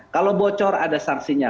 kalau bocor ada sanksinya